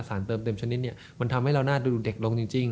เติมเต็มชนิดเนี่ยมันทำให้เราน่าดูเด็กลงจริง